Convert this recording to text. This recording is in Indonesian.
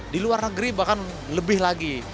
di luar negeri bahkan lebih lagi